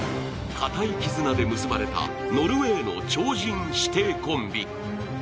固い絆で結ばれたノルウェーの超人師弟コンビ。